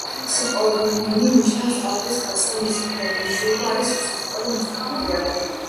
სიტყვა რონინი ნიშნავს „ტალღის კაცს“ და მისი პირდაპირი მნიშვნელობა არის „უსახლკარო, მოხეტიალე კაცი“.